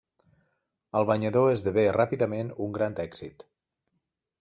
El banyador esdevé ràpidament un gran èxit.